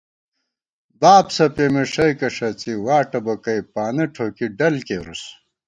بابسہ پېمېݭَئیکہ ݭَڅی واٹہ بَکَئ پانہ ٹھوکی ڈل کېرُوس